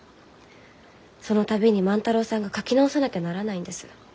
その度に万太郎さんが描き直さなきゃならないんです。